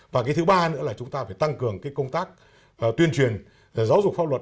và thứ ba nữa là chúng ta phải tăng cường công tác tuyên truyền giáo dục pháp luật